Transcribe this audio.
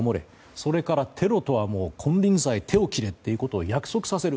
それからテロとは金輪際手を切れということを約束させる。